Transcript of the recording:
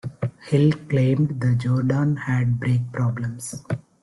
Hill claimed the Jordan had brake problems.